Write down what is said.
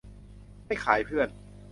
ไม่ขายเพื่อน